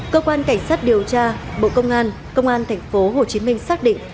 cơ quan cảnh sát điều tra bộ công an công an tp hcm xác định